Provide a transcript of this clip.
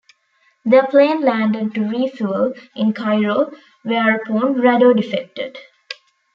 Their plane landed to refuel in Cairo, whereupon Rado defected.